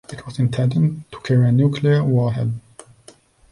It was intended to carry a nuclear warhead.